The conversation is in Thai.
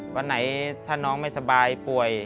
วันไหนถ้าน้องไม่สบายป่วย